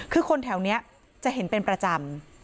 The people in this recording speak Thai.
คือคนแถวนี้จะเห็นเป็นประจำ